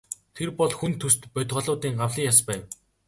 Тэр бол хүн төст бодгалиудын гавлын яс байв.